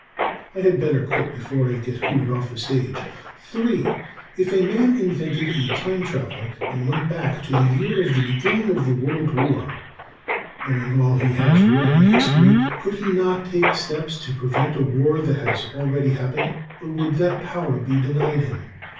I had better quit before I get hooted off the stage. 3 If a man invented a time traveler and went back to the year of the beginning of the World War, knowing all he has read in history, could he not take steps to prevent a war that has already happened? Or would that power be denied him?